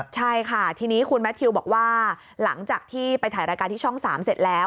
ใช่ค่ะทีนี้คุณแมททิวบอกว่าหลังจากที่ไปถ่ายรายการที่ช่อง๓เสร็จแล้ว